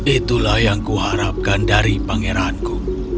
itulah yang kuharapkan dari pangeranku